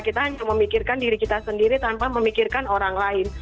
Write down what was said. kita hanya memikirkan diri kita sendiri tanpa memikirkan orang lain